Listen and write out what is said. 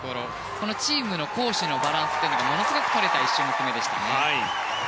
このチームの攻守のバランスがものすごくとれた１種目めでしたね。